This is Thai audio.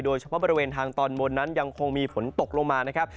โดยเฉพาะบริเวณทางตอนบนนั้นยังคงมีฝนตกลงมานะครับ